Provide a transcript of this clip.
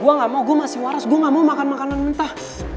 gue gak mau gue masih waras gue gak mau makan makanan mentah